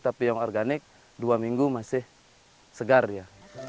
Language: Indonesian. tapi yang organik dua minggu masih segar ya